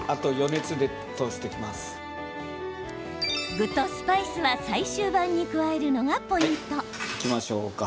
具とスパイスは最終盤に加えるのがポイント。